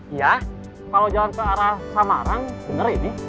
iya kalau jalan ke arah samarang bener ini